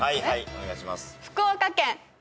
お願いします。